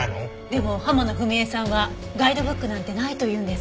でも浜野文恵さんはガイドブックなんてないと言うんです。